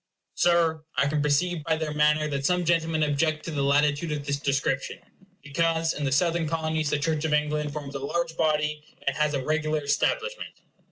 Sir, I can perceive by their manner that some gentlemen object to the latitude of this description, because in the Southern Colonies the Church of England forms a large body, and has a regular establishment.